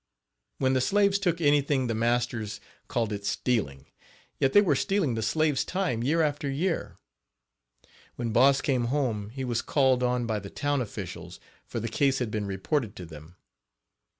When the slaves took anything the masters called it stealing, yet they were stealing the slaves' time year after year. When Boss came home he was called on by the town officials, for the case had been reported to them.